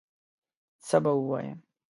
څه به ووایم